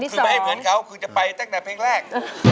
คือไม่ให้เหมือนเขาคือจะไปตั้งแต่เพลงแรก